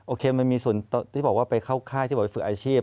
มันมีส่วนที่บอกว่าไปเข้าค่ายที่บอกไปฝึกอาชีพ